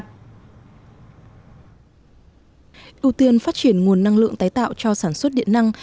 ưu tiên phát triển nguồn năng lượng tái tạo cho sản xuất điện năng